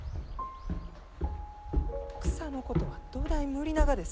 草のことはどだい無理ながです。